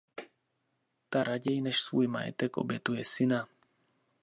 Ta raději než svůj majetek obětuje syna.